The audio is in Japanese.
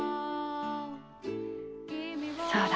そうだ。